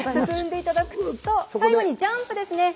進んでいただくと最後にジャンプです。